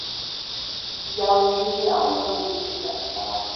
یوې ونې او یو بوټي بحث کاوه.